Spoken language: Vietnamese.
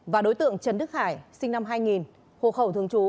và đối tượng trần đức hải sinh năm hai nghìn hộ khẩu thường trú